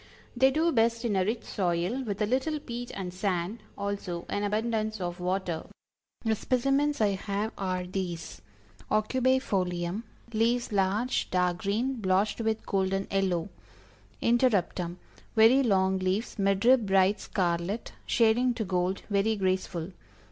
They do best in a rich soil, with a little peat and sand; also an abundance of water. The specimens I have are these: Aucubæ Folium leaves large, dark green, blotched with golden yellow. Interruptum, very long leaves, mid rib bright scarlet, shading to gold very graceful.